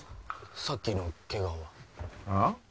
さっきのケガはああ？